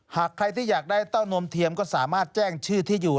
หากใครที่อยากได้เต้านมเทียมก็สามารถแจ้งชื่อที่อยู่